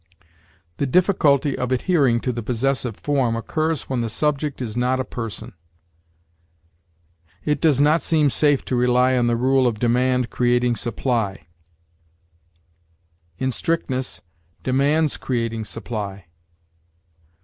The difficulty of adhering to the possessive form occurs when the subject is not a person: 'It does not seem safe to rely on the rule of demand creating supply': in strictness, 'Demand's creating supply.'